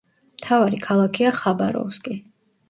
მთავარი ქალაქია ხაბაროვსკი.